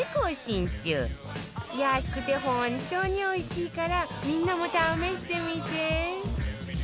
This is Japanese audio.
安くて本当においしいからみんなも試してみて